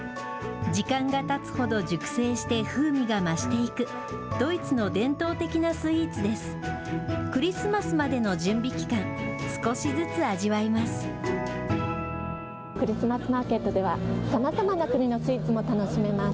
時間がたつほど熟成して風味が増していく、ドイツの伝統的なスイーツです。